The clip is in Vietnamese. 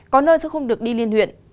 có nơi sẽ không được đi liên huyện